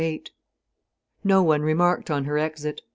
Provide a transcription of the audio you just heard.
VIII No one remarked on her exit.